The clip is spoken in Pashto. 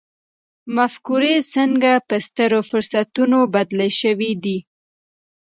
مفکورې څنګه په سترو فرصتونو بدلې شوې دي.